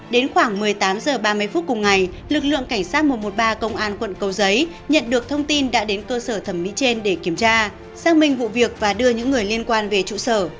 đến khoảng một mươi tám h ba mươi phút cùng ngày lực lượng cảnh sát một trăm một mươi ba công an quận cầu giấy nhận được thông tin đã đến cơ sở thẩm mỹ trên để kiểm tra xác minh vụ việc và đưa những người liên quan về trụ sở